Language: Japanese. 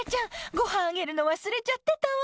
ごはんあげるの忘れちゃってた。